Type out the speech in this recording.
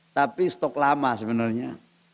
tapi stok lama sebenarnya